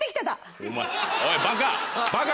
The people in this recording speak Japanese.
おいバカ！